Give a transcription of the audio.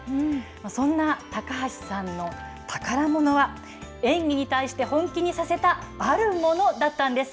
そんな高橋さんの宝ものは、演技に対して本気にさせたあるものだったんです。